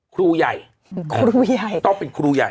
ครูใหญ่ต้องเป็นครูใหญ่